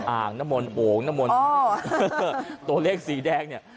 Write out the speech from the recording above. อ่างน้ำมนโอ่งน้ำมนต์ตัวเลขสีแดงเนี่ย